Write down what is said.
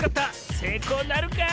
せいこうなるか？